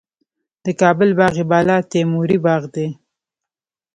د کابل باغ بالا تیموري باغ دی